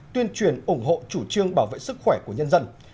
tuyên truyền ủng hộ chủ trương bảo vệ sức khỏe của nhân dân